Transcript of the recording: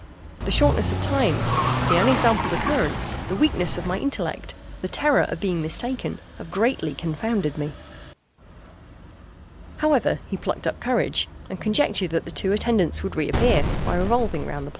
The shortness of time, the unexampled occurrence, the weakness of my intellect, the terror of being mistaken, have greatly confounded me." However, he plucked up courage, and conjectured that the two attendants would reappear, by revolving round the planet. [Illustration: FIG.